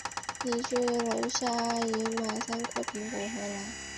你去楼下阿姨那儿买三个苹果回来。